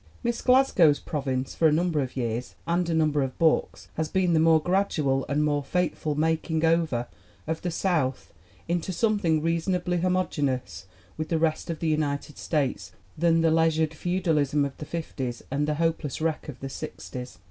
Miss Glasgow's province for a number of years and a number of books has been the more gradual and more fateful making over of the South into something reasonably homogeneous with the rest of the United States than the leisured feudalism of the '505 and the hopeless wreck of the '6os.